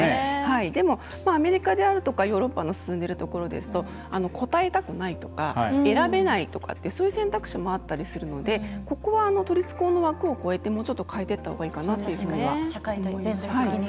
でも、アメリカであるとかヨーロッパの進んでいるところですと答えたくないとか選べないとかっていうそういう選択肢もあったりするのでここは都立高の枠を超えて変えていったほうがいいかなと。